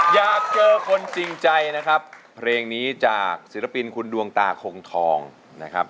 อยากเจอคนจริงใจนะครับเพลงนี้จากศิลปินคุณดวงตาคงทองนะครับ